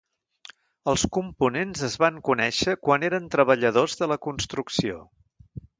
Els components es van conèixer quan eren treballadors de la construcció.